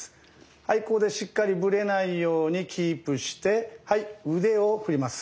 ここでしっかりぶれないようにキープして腕を振ります。